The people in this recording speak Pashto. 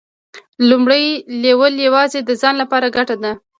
لومړی لیول یوازې د ځان لپاره ګټه ده.